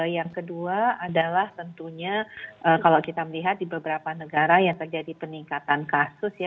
yang kedua adalah tentunya kalau kita melihat di beberapa negara yang terjadi peningkatan kasus ya